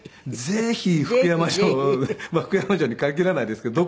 ぜひ福山城まあ福山城に限らないですけど。